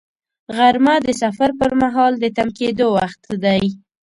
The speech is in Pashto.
غرمه د سفر پر مهال د تم کېدو وخت دی